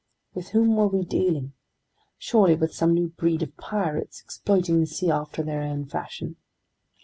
With whom were we dealing? Surely with some new breed of pirates, exploiting the sea after their own fashion.